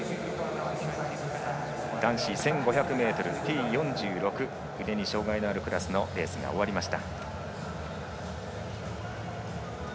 男子１５００ｍＴ４６腕に障がいがあるクラスのレースが終わりました。